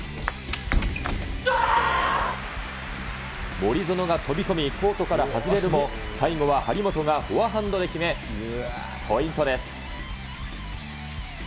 森薗が飛び込み、コートから外れるも最後は張本がフォアハンドで決め、ポイントです。